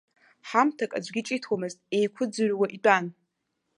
Ҳамҭак аӡәгьы ҿиҭуамызт, еиқәыӡырҩуа итәан.